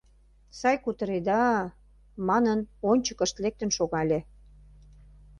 — Сай кутыреда? — манын, ончыкышт лектын шогале.